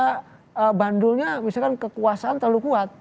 karena bandulnya misalkan kekuasaan terlalu kuat